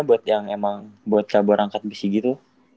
buat yang emang buat cabar angkat bisik gitu